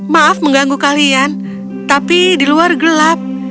maaf mengganggu kalian tapi di luar gelap